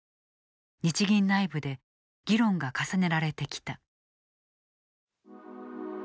日銀内部で議論が重ねられてきた。